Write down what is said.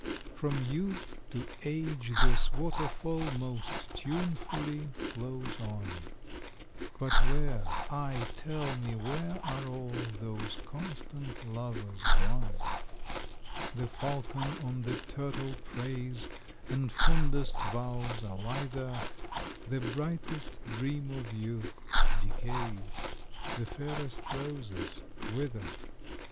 From youth to age this waterfall Most tunefully flows on, But where, aye! tell me where, are all Those constant lovers gone? The falcon on the turtle preys, And fondest vows are lither, The brightest dream of youth decays, The fairest roses wither.